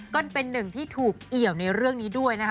ก็เป็นหนึ่งที่ถูกเอี่ยวในเรื่องนี้ด้วยนะคะ